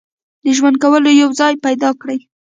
د ژوند کولو یو ځای پیدا کړي.